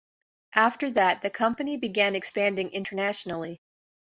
After that, the company began expanding internationally.